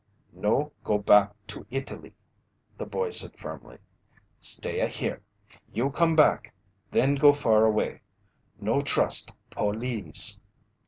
"No go back to Italy," the boy said firmly. "Stay a here you come back. Then go far away. No trust pol eese."